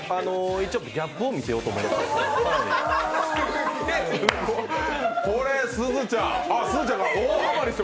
一応ギャップを見せようと思いまして。